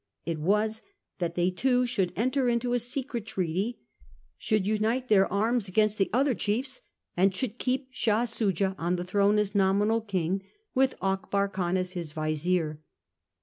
It was that they two should enter into a secret treaty, should unite their arms against the other chiefs, and should keep Shah Soojah on the throne as nominal king, with Akbar Khan as his vizier.